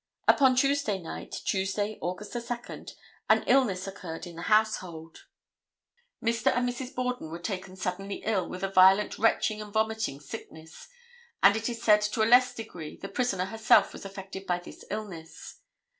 Upon Tuesday night, Tuesday, August 2, an illness occurred in the household. Mr. and Mrs. Borden were taken suddenly ill with a violent retching and vomiting sickness, and it is said to a less degree the prisoner herself was affected by this illness.